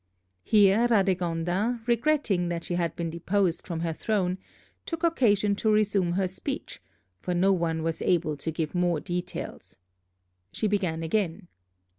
Here Radegonda, regretting that she had been deposed from her throne, took occasion to resume her speech, for no one was able to give more details. She began again.